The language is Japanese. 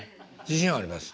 自信あります？